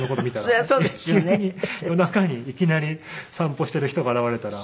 急に夜中にいきなり散歩してる人が現れたら。